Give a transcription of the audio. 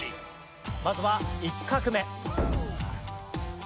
まずは１画目。